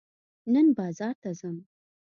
نن بازار ته ځم.